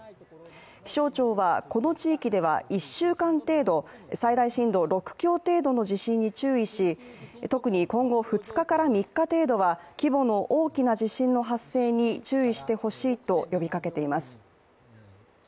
気象庁は、この地域では１週間程度最大震度６強程度の地震に注意し、特に今後２日から３日程度は規模の大きな地震の発生にねえねえ